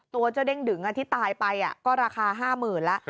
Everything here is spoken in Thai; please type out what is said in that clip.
ตัวเจ้าเด้งดึงที่ตายไปก็ราคา๕๐๐๐แล้ว